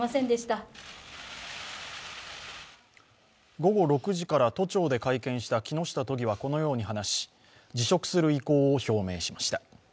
午後６時から都庁で会見した木下都議はこのように話し、辞職する意向を表明しました。